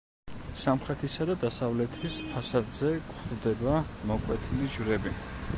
სამხრეთისა და დასავლეთის ფასადზე გვხვდება მოკვეთილი ჯვრები.